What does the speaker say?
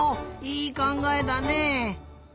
いいかんがえだね！